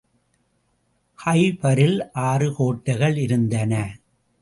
கைபரில் ஆறு கோட்டைகள் இருந்தன.